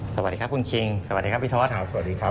สวัสดีครับคุณคิงสวัสดีครับพี่ทอดครับสวัสดีครับ